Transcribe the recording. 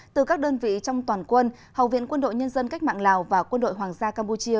từ các đơn vị trong toàn quân học viện quân đội nhân dân cách mạng lào và quân đội hoàng gia campuchia